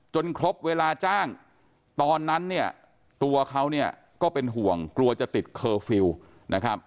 จนครบเวลาจ้างตอนนั้นตัวเขาก็เป็นห่วงกลัวจะติดเคอร์ฟิลล์